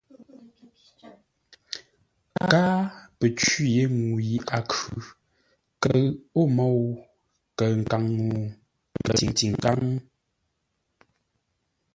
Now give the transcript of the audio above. Káa pə́ cwî yé ŋuu yi a khʉ, kəʉ o môu, kəʉ nkaŋ-ŋuu, kəʉ ntikáŋ.